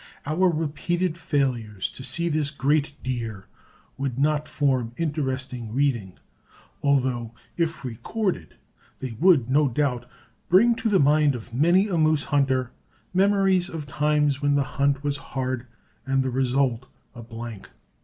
Our repeated failures to see this great deer would not form interesting reading, although, if recorded, they would, no doubt, bring to the mind of many a moose hunter memories of times when the hunt was hard and the result a blank.